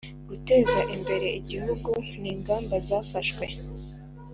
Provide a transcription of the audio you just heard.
Guteza imbere igihugu n’ ingamba zafashwe.